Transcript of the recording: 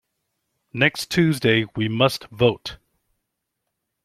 Next Tuesday we must vote.